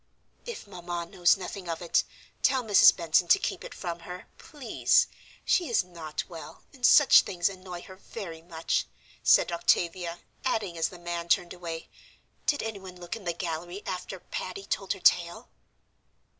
"If Mamma knows nothing of it, tell Mrs. Benson to keep it from her, please. She is not well, and such things annoy her very much," said Octavia, adding as the man turned away, "Did anyone look in the gallery after Patty told her tale?"